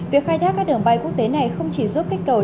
việc khai thác các đường bay quốc tế này không chỉ giúp kích cầu